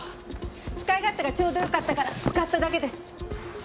使い勝手がちょうどよかったから使っただけです。